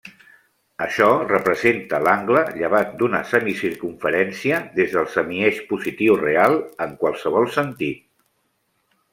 Això representa l'angle llevat d'una semicircumferència des del semieix positiu real en qualsevol sentit.